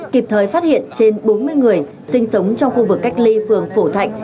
kịp thời phát hiện trên bốn mươi người sinh sống trong khu vực cách ly phường phổ thạnh